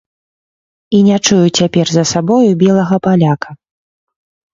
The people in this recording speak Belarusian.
І я не чую цяпер за сабою белага паляка.